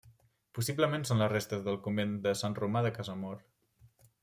Possiblement són les restes del convent de Sant Romà de Casamor.